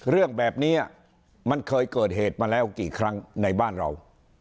เรื่องแบบนี้มันเคยเกิดเหตุมาแล้วกี่ครั้งในบ้านเรา